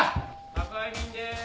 宅配便でーす！